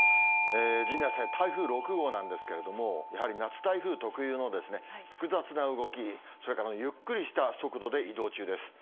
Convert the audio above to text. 陣内さん、台風６号なんですけれども、やはり夏台風特有の複雑な動き、それからゆっくりした速度で移動中です。